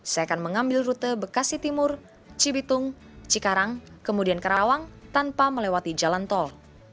saya akan mengambil rute bekasi timur cibitung cikarang kemudian karawang tanpa melewati jalan tol